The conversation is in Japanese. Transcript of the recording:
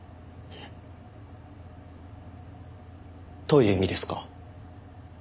どういう意味ですか？